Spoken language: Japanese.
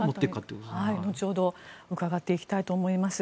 後ほど伺っていきたいと思います。